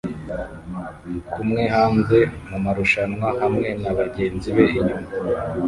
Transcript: kumwe hanze mumarushanwa hamwe na bagenzi be inyuma